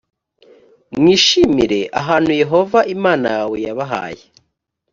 mwishimire ahantu yehova imana yawe yabahaye